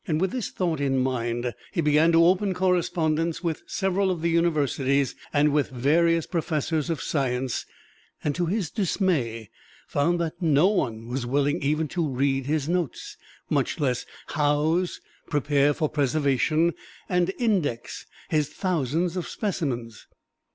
With this thought in mind he began to open correspondence with several of the universities and with various professors of science, and to his dismay found that no one was willing even to read his notes, much less house, prepare for preservation, and index his thousands of specimens.